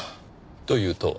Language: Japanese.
というと？